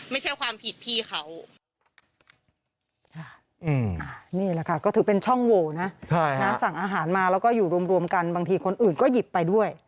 ไม่ใช่ความผิดพี่เขา